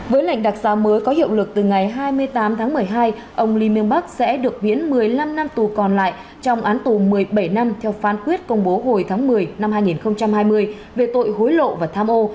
với lệnh đặc giá mới có hiệu lực từ ngày hai mươi tám tháng một mươi hai ông lee miêng bắc sẽ được huyến một mươi năm năm tù còn lại trong án tù một mươi bảy năm theo phán quyết công bố hồi tháng một mươi năm hai nghìn hai mươi về tội hối lộ và tham ô